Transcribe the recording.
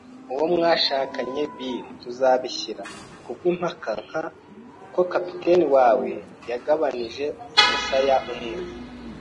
uwo mwashakanye Bill. Tuzabishyira, kubwimpaka nka, ko capitaine wawe yagabanije umusaya umwe